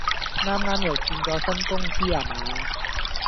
啱啱又轉咗新公司呀嘛